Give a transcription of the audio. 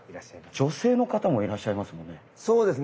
女性の方もいらっしゃいますよね。